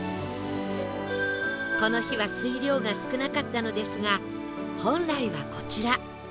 この日は水量が少なかったのですが本来はこちら